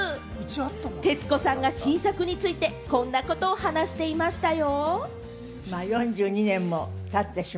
徹子さんが新作について、こんなことを話していましたよ。